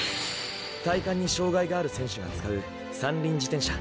体幹に障がいがある選手が使う三輪自転車。